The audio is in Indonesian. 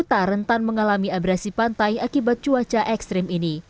kota rentan mengalami abrasi pantai akibat cuaca ekstrim ini